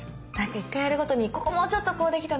１回やるごとにここもうちょっとこうできたな